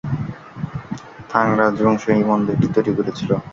থাং রাজবংশ এই মন্দিরটি তৈরি করেছিল।